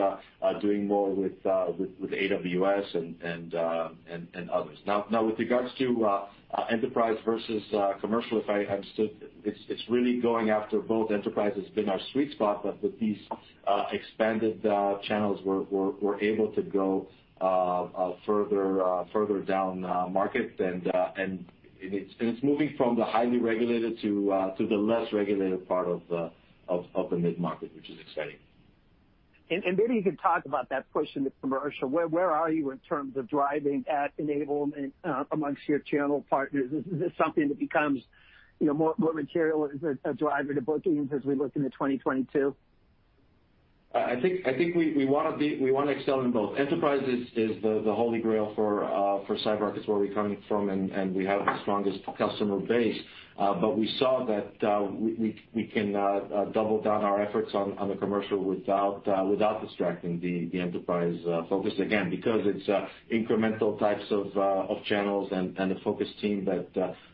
doing more with AWS and others. Now with regards to enterprise versus commercial, if I understood, it's really going after both. Enterprise has been our sweet spot but with these expanded channels, we're able to go further down market. It's moving from the highly regulated to the less regulated part of the mid-market which is exciting. Maybe you can talk about that push in the commercial. Where are you in terms of driving that enablement among your channel partners? Is this something that becomes, you know, more material as a driver to bookings as we look into 2022? I think we wanna excel in both. Enterprise is the holy grail for CyberArk, is where we're coming from and we have the strongest customer base. We saw that we can double down our efforts on the commercial without distracting the enterprise focus. Again, because it's incremental types of channels and a focused team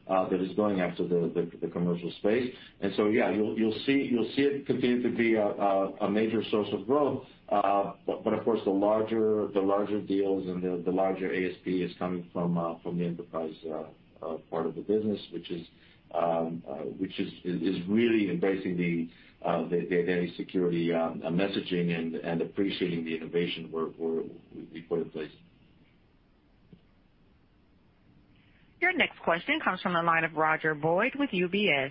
that is going after the commercial space. Yeah, you'll see it continue to be a major source of growth. Of course, the larger deals and the larger ASP is coming from the enterprise part of the business which is really embracing the identity security messaging and appreciating the innovation we've put in place. Your next question comes from the line of Roger Boyd with UBS.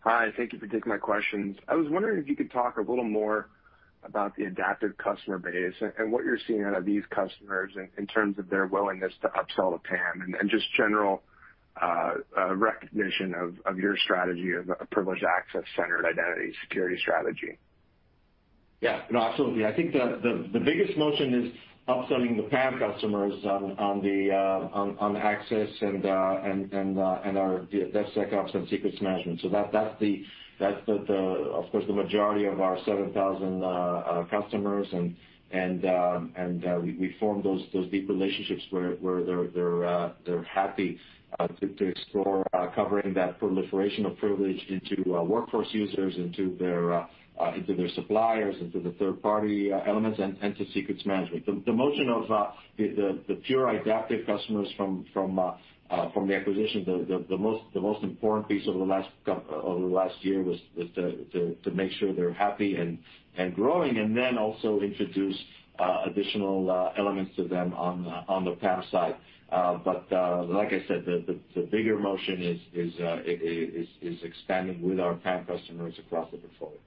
Hi, thank you for taking my questions. I was wondering if you could talk a little more about the Idaptive customer base and what you're seeing out of these customers in terms of their willingness to upsell to PAM and just general recognition of your strategy of a privileged access-centered identity security strategy. Yeah, absolutely. I think the biggest motion is upselling the PAM customers on the access and our DevSecOps and secrets management. That's the majority of our 7,000 customers and we form those deep relationships where they're happy to explore covering that proliferation of privilege into workforce users, into their suppliers, into the third party elements and to secrets management. The motion of the pure Idaptive customers from the acquisition, the most important piece over the last year was to make sure they're happy and growing, and then also introduce additional elements to them on the PAM side. Like I said, the bigger motion is expanding with our PAM customers across the portfolio.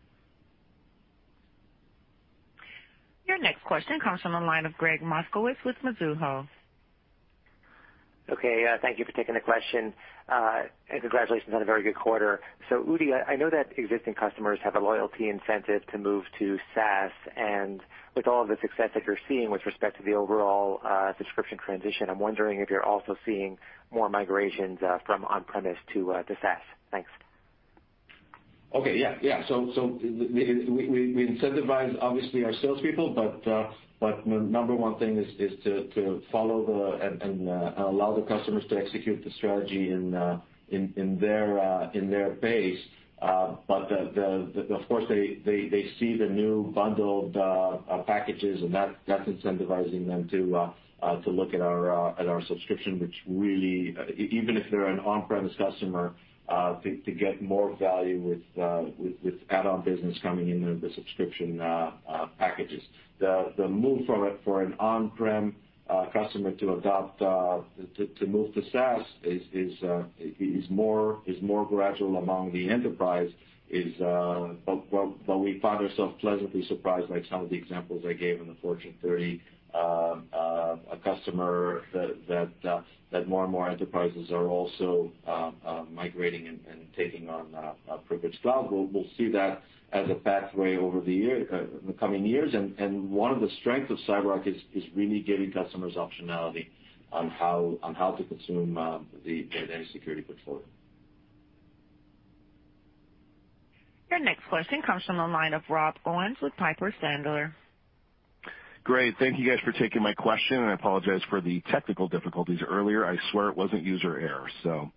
Your next question comes from the line of Gregg Moskowitz with Mizuho. Okay, thank you for taking the question. Congratulations on a very good quarter. Udi, I know that existing customers have a loyalty incentive to move to SaaS, and with all the success that you're seeing with respect to the overall subscription transition, I'm wondering if you're also seeing more migrations from on-premise to SaaS. Thanks. Okay, yeah. We incentivize obviously our salespeople but the number one thing is to follow the plan and allow the customers to execute the strategy in their pace but of course, they see the new bundled packages, and that's incentivizing them to look at our subscription which really, even if they're an on-premise customer, to get more value with add-on business coming in with the subscription packages. The move from it for an on-prem customer to move to SaaS is more gradual among the enterprises. We find ourselves pleasantly surprised by some of the examples I gave in the Fortune 30, a customer that more and more enterprises are also migrating and taking on Privilege Cloud. We'll see that as a pathway over the year, the coming years. One of the strength of CyberArk is really giving customers optionality on how to consume the identity security portfolio. Your next question comes from the line of Rob Owens with Piper Sandler. Great. Thank you guys for taking my question, and I apologize for the technical difficulties earlier. I swear it wasn't user error, so.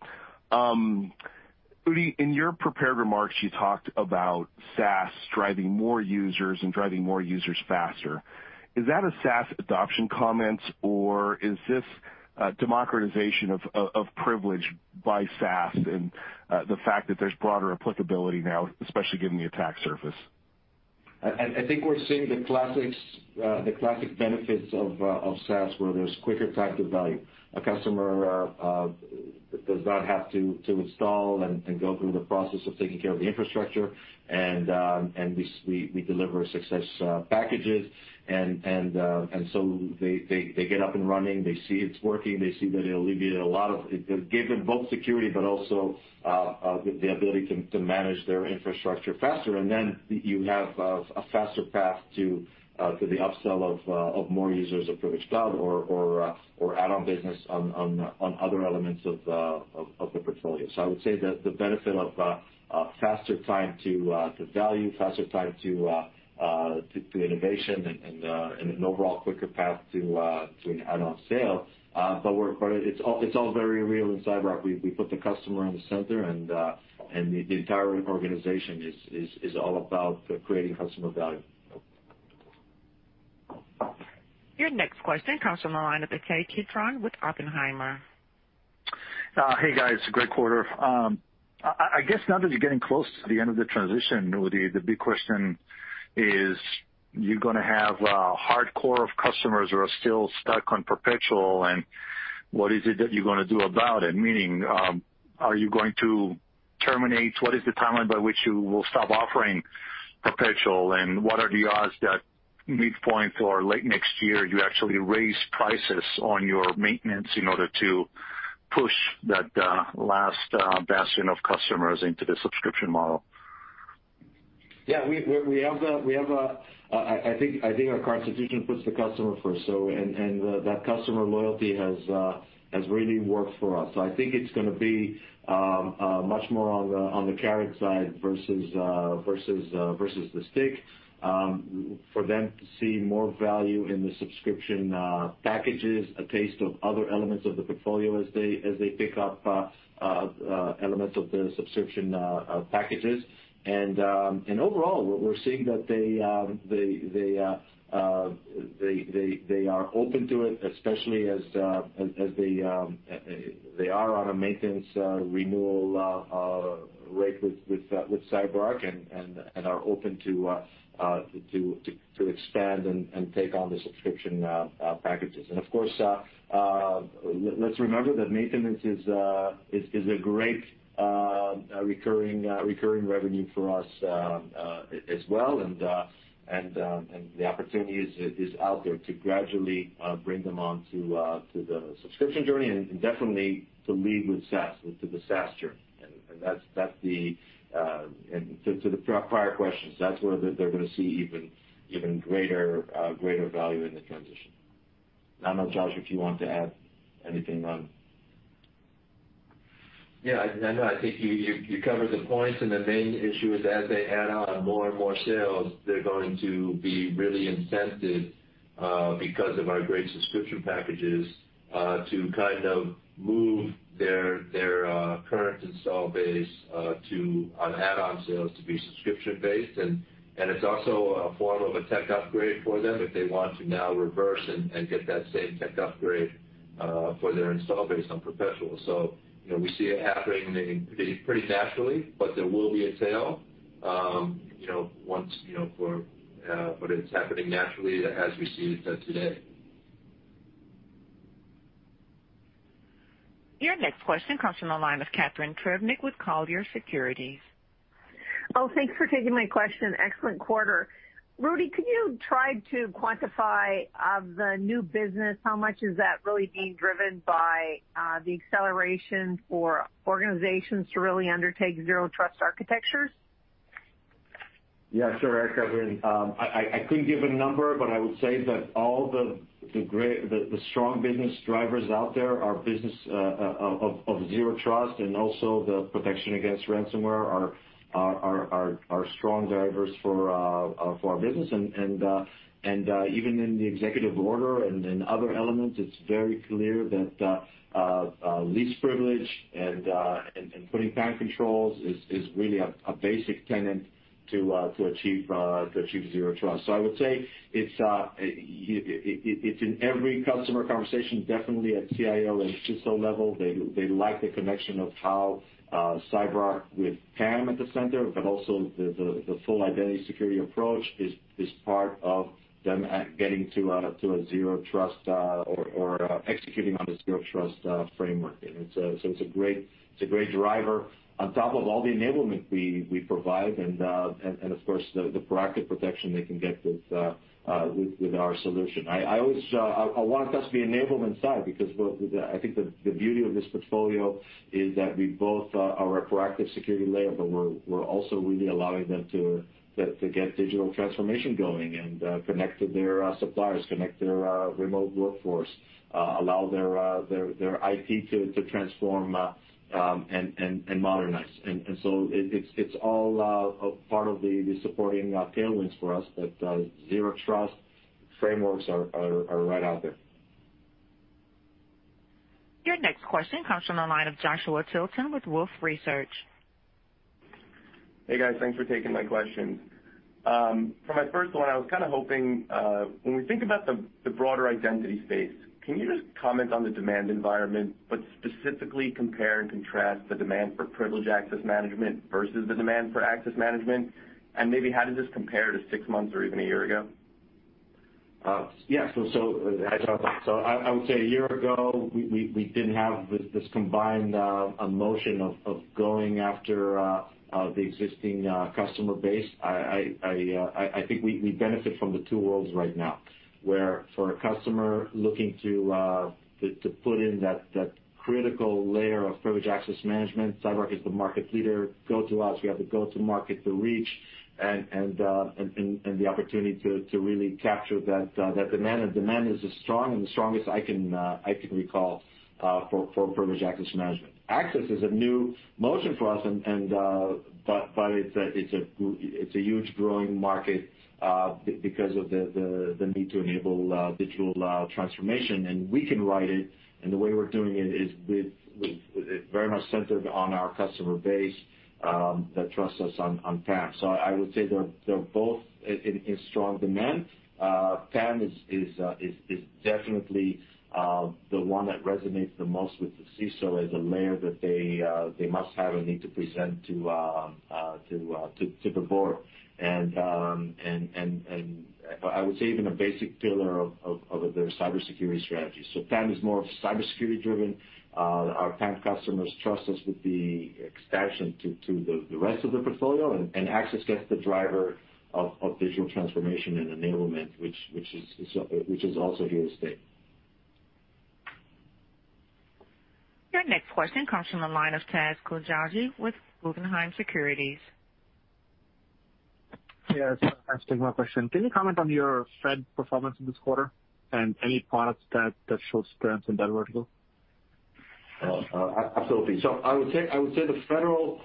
Udi, in your prepared remarks you talked about SaaS driving more users and driving more users faster. Is that a SaaS adoption comment or is this a democratization of privilege by SaaS and the fact that there's broader applicability now, especially given the attack surface? I think we're seeing the classic benefits of SaaS where there's quicker time to value. A customer does not have to install and go through the process of taking care of the infrastructure. We deliver success packages. They get up and running, they see it's working, it gave them both security but also the ability to manage their infrastructure faster. You have a faster path to the upsell of more users of Privilege Cloud or add-on business on other elements of the portfolio. I would say that the benefit of faster time to value, faster time to innovation and an overall quicker path to an add-on sale. It's all very real in CyberArk. We put the customer in the center and the entire organization is all about creating customer value. Your next question comes from the line of the Ittai Kidron with Oppenheimer. Hey, guys, great quarter. I guess now that you're getting close to the end of the transition, Udi, the big question is- You're gonna have a hardcore of customers who are still stuck on perpetual and what is it that you're gonna do about it? Meaning, are you going to terminate? What is the timeline by which you will stop offering perpetual and what are the odds that midpoint or late next year you actually raise prices on your maintenance in order to push that last bastion of customers into the subscription model? Yeah. I think our constitution puts the customer first, so that customer loyalty has really worked for us. I think it's gonna be much more on the carrot side versus the stick for them to see more value in the subscription packages, a taste of other elements of the portfolio as they pick up elements of the subscription packages. Overall, we're seeing that they are open to it, especially as they are on a maintenance renewal rate with CyberArk and are open to expand and take on the subscription packages. Of course, let's remember that maintenance is a great recurring revenue for us as well. The opportunity is out there to gradually bring them on to the subscription journey and definitely to lead with SaaS to the SaaS journey. That's the. To the prior questions, that's where they're gonna see even greater value in the transition. I don't know, Josh, if you want to add anything on. Yeah. I think you covered the points, and the main issue is as they add on more and more sales, they're going to be really incented because of our great subscription packages to kind of move their current install base to an add-on sales to be subscription-based. And it's also a form of a tech upgrade for them if they want to now reverse and get that same tech upgrade for their install base on perpetual. So, you know, we see it happening pretty naturally but there will be a tail once. It's happening naturally as we see it today. Your next question comes from the line of Catharine Trebnick with Cowen Securities. Oh, thanks for taking my question. Excellent quarter. Udi, could you try to quantify of the new business, how much is that really being driven by, the acceleration for organizations to really undertake Zero Trust architectures? Yeah, sure. Catharine, I couldn't give a number, but I would say that all the strong business drivers out there are business of Zero Trust and also the protection against ransomware are strong drivers for our business. Even in the executive order and in other elements, it's very clear that least privilege and putting time controls is really a basic tenet to achieve Zero Trust. I would say it's in every customer conversation, definitely at CIO and CISO level. They like the connection of how CyberArk with PAM at the center, but also the full identity security approach is part of them getting to a Zero Trust, or executing on a Zero Trust framework. It's a great driver on top of all the enablement we provide and, of course, the proactive protection they can get with our solution. I always want us to be enablement side because I think the beauty of this portfolio is that we both are a proactive security layer but we're also really allowing them to get digital transformation going and connect to their suppliers, connect their remote workforce, allow their IT to transform and modernize. So it's all part of the supporting tailwinds for us that Zero Trust frameworks are right out there. Your next question comes from the line of Joshua Tilton with Wolfe Research. Hey, guys. Thanks for taking my questions. For my first one, I was kinda hoping, when we think about the broader identity space, can you just comment on the demand environment but specifically compare and contrast the demand for privileged access management versus the demand for access management? Maybe how does this compare to six months or even a year ago? I talked about it. I would say a year ago, we didn't have this combined emotion of going after the existing customer base. I think we benefit from the two worlds right now where for a customer looking to put in that critical layer of privileged access management, CyberArk is the market leader, go to us. We have the go-to-market, the reach and the opportunity to really capture that demand. Demand is as strong and the strongest I can recall for privileged access management. Access is a new motion for us but it's a huge growing market because of the need to enable digital transformation and we can ride it and the way we're doing it is with very much centered on our customer base that trusts us on PAM. I would say they're both in strong demand. PAM is definitely the one that resonates the most with the CISO as a layer that they must have a need to present to the board. I would say even a basic pillar of their cybersecurity strategy. PAM is more cybersecurity driven. Our PAM customers trust us with the expansion to the rest of the portfolio. Access is the driver of digital transformation and enablement which is also here to stay. Your next question comes from the line of Imtiaz Koujalgi with Guggenheim Securities. Yes. Thanks for taking my question. Can you comment on your federal performance in this quarter and any products that shows strength in that vertical? Absolutely. I would say the federal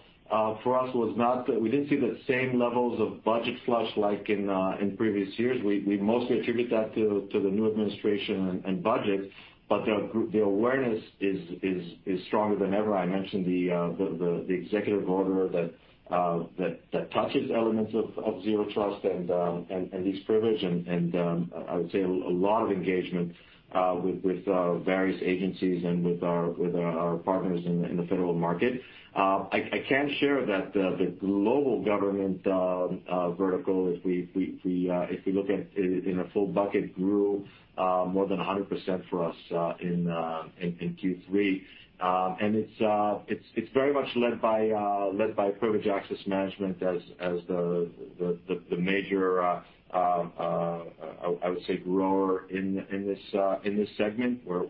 for us was not. We didn't see the same levels of budget flush like in previous years. We mostly attribute that to the new administration and budget. The awareness is stronger than ever. I mentioned the executive order that touches elements of Zero Trust and least privilege. I would say a lot of engagement with various agencies and with our partners in the federal market. I can share that the global government vertical, if we look at it in a full bucket, grew more than 100% for us in Q3. It's very much led by Privileged Access Management as the major, I would say, grower in this segment where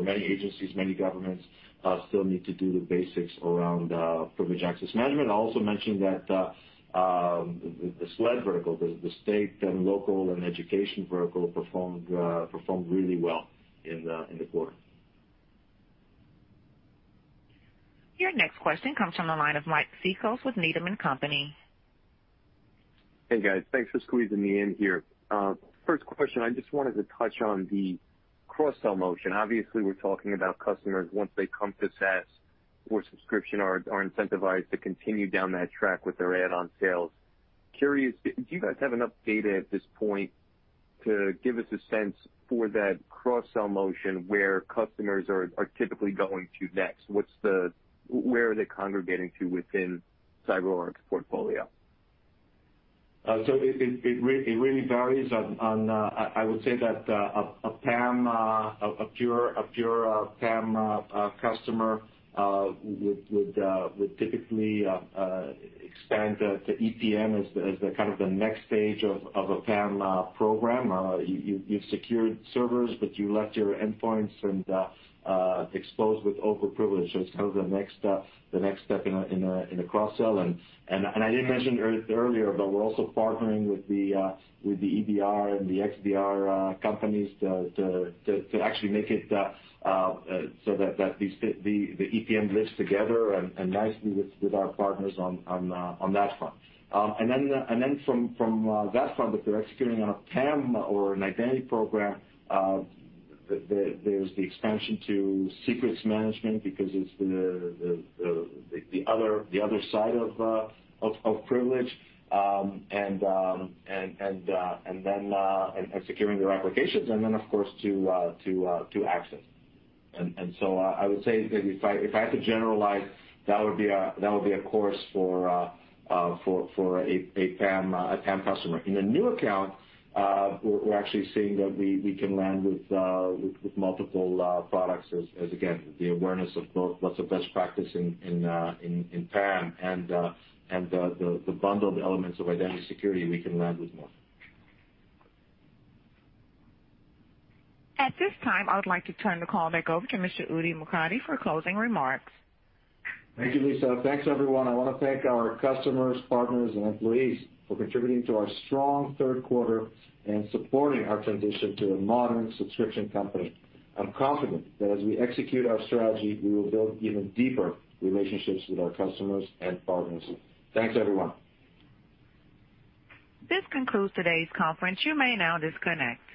many agencies, governments still need to do the basics around Privileged Access Management. I also mentioned that the SLED vertical, The State and Local and Education vertical performed really well in the quarter. Your next question comes from the line of Mike Cikos with Needham & Company. Hey, guys. Thanks for squeezing me in here. First question, I just wanted to touch on the cross-sell motion. Obviously, we're talking about customers once they come to SaaS or subscription are incentivized to continue down that track with their add-on sales. Curious, do you guys have enough data at this point to give us a sense for that cross-sell motion where customers are typically going to next? Where are they congregating to within CyberArk's portfolio? It really varies. I would say that a pure PAM customer would typically expand the EPM as the kind of next stage of a PAM program. You've secured servers but you left your endpoints exposed with over privilege. It's kind of the next step in a cross-sell. I didn't mention earlier but we're also partnering with the EDR and the XDR companies to actually make it so that these fit the EPM and live together nicely with our partners on that front. From that front, if they're executing on a PAM or an identity program, there's the expansion to secrets management because it's the other side of privilege and securing their applications and then of course to access. I would say if I had to generalize, that would be a course for a PAM customer. In the new account, we're actually seeing that we can land with multiple products as again the awareness of both what's the best practice in PAM and the bundled elements of identity security we can land with more. At this time, I would like to turn the call back over to Mr. Udi Mokady for closing remarks. Thank you, Lisa. Thanks, everyone. I wanna thank our customers, partners, and employees for contributing to our strong third quarter and supporting our transition to a modern subscription company. I'm confident that as we execute our strategy, we will build even deeper relationships with our customers and partners. Thanks, everyone. This concludes today's conference. You may now disconnect.